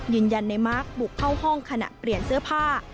ยืนยันในมาร์คบุกเข้าห้องขณะเปลี่ยนเสื้อผ้า